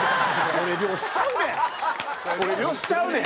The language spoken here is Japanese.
俺漁師ちゃうねん！